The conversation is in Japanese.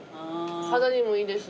肌にもいいです。